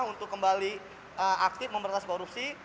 untuk kembali aktif memberantas korupsi